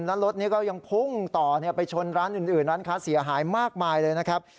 แล้วรถนี้ก็ยังพุ่งต่อไปชนร้านอื่นร้านค้าเสียหายมากมายเลยนะครับ